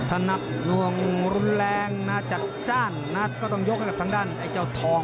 ถ้านับนวงรุนแรงนะจัดจ้านนะก็ต้องยกให้กับทางด้านไอ้เจ้าทอง